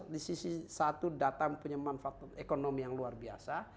di sisi satu data punya manfaat ekonomi yang luar biasa